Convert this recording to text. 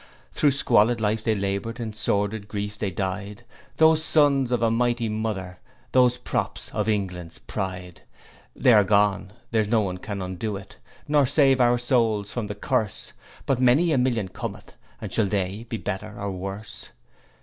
'Through squalid life they laboured in sordid grief they died Those sons of a mighty mother, those props of England's pride. They are gone, there is none can undo it, nor save our souls from the curse, But many a million cometh, and shall they be better or worse?